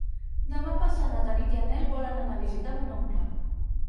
Demà passat na Tanit i en Nel volen anar a visitar mon oncle.